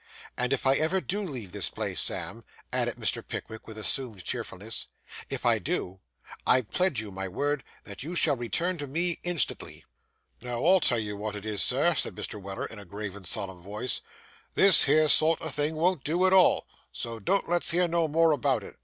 And if I ever do leave this place, Sam,' added Mr. Pickwick, with assumed cheerfulness 'if I do, I pledge you my word that you shall return to me instantly.' 'Now I'll tell you wot it is, Sir,' said Mr. Weller, in a grave and solemn voice. 'This here sort o' thing won't do at all, so don't let's hear no more about it.